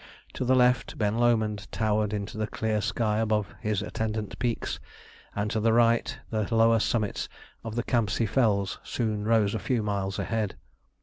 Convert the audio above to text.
To the left Ben Lomond towered into the clear sky above his attendant peaks, and to the right the lower summits of the Campsie Fells soon rose a few miles ahead.